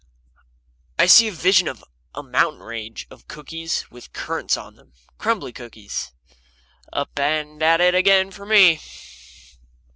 I see a vision of a mountain range of cookies with currants on them crumbly cookies. Up and at it again for me!)